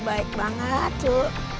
baik banget cu